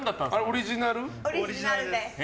オリジナルで。